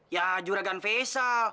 ya juragan vesa